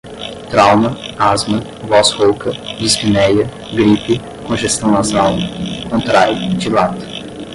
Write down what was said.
trauma, asma, voz rouca, dispneia, gripe, congestão nasal, contrai, dilata